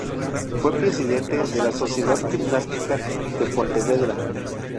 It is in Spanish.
Fue presidente de la Sociedad Gimnástica de Pontevedra.